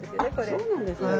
あそうなんですか。